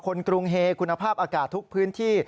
กรุงเฮคุณภาพอากาศทุกพื้นที่